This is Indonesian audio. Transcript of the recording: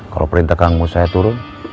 kalau perintah kangku saya turun